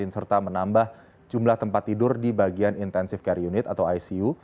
serta menambah jumlah tempat tidur di bagian intensive care unit atau icu